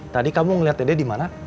tadi kamu ngeliat dede dimana